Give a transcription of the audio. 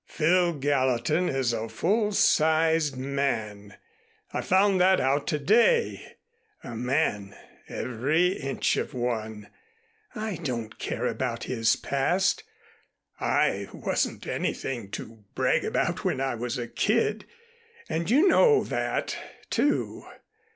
Phil Gallatin is a full sized man. I found that out to day a man, every inch of one. I don't care about his past. I wasn't anything to brag about when I was a kid, and you know that, too.